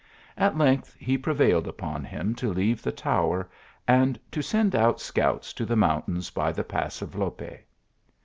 At length he prevailed upon him to leave the tower, and to send out scouts to the mountains by the pass of Lope.